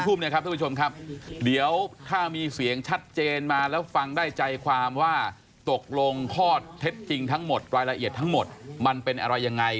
ทุ่มเนี่ยครับทุกผู้ชมครับเดี๋ยวถ้ามีเสียงชัดเจนมาแล้วฟังได้ใจความว่าตกลงข้อเท็จจริงทั้งหมดรายละเอียดทั้งหมดมันเป็นอะไรยังไง